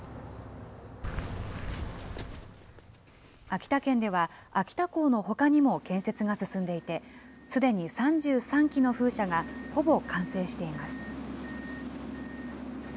秋田県では秋田港のほかにも建設が進んでいて、すでに３３基の風車がほぼ完成しています。